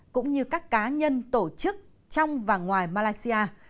cũng như các cá nhân tổ chức trong và ngoài malaysia